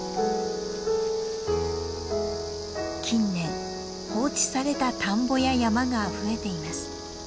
近年放置された田んぼや山が増えています。